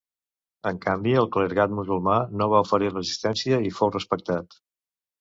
En canvi el clergat musulmà no va oferir resistència i fou respectat.